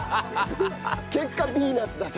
結果ヴィーナスだと。